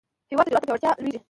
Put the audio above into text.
هېواد د جرئت په پیاوړتیا لویېږي.